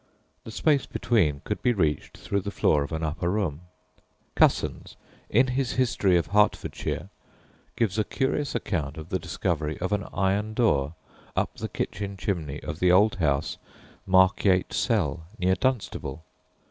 The space between could be reached through the floor of an upper room. Cussans, in his History of Hertfordshire, gives a curious account of the discovery of an iron door up the kitchen chimney of the old house Markyate Cell, near Dunstable.